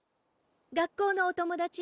学校のお友達？